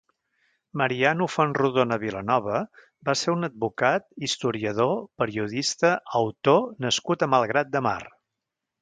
Mariano Fontrodona Vilanova va ser un advocat, historiador, periodista, autor nascut a Malgrat de Mar.